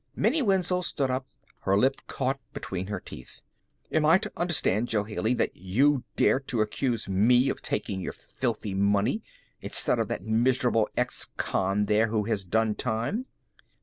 Minnie Wenzel stood up, her lip caught between her teeth. "Am I to understand, Jo Haley, that you dare to accuse me of taking your filthy money, instead of that miserable ex con there who has done time?"